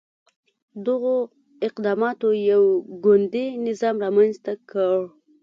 دغو اقداماتو یو ګوندي نظام رامنځته کړ.